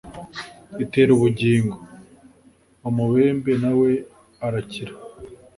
itera ubugingo: umubembe na we arakira.